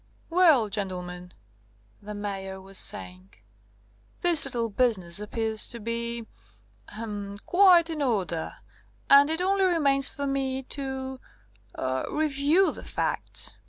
"Well, gentlemen," the Mayor was saying, "this little business appears to be er quite in order, and it only remains for me to er review the facts.